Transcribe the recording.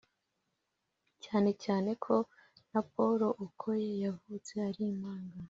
cyane cyane ko na Paul Okoye yavutse ari impanga